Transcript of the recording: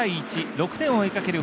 ６点を追いかける